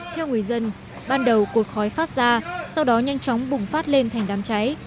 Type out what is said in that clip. theo người dân ban đầu cột khói phát ra sau đó nhanh chóng bùng phát lên thành đám cháy